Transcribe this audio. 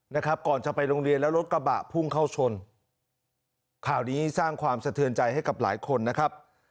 นะครับก่อนจะไปโรงเรียนแล้วรถกระบะพุ่งเข้าชนข่าวนี้สร้างความสะเทือนใจให้กับหลายคนนะครับ